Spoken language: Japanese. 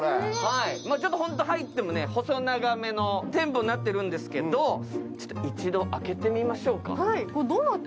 本当に入っても細長めの店舗になってるんですけど、一度開けてみましょうか。